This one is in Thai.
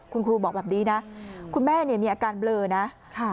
คุณครูบอกแบบนี้นะคุณแม่เนี่ยมีอาการเบลอนะค่ะ